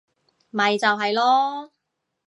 咪就係囉